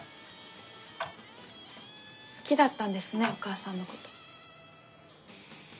好きだったんですねお母さんのこと。